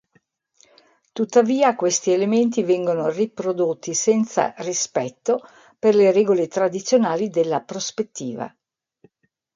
Tuttavia questi elementi vengono riprodotti senza rispetto per le regole tradizionali della prospettiva.